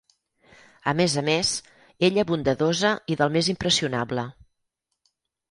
A més a més, ella bondadosa i del més impressionable.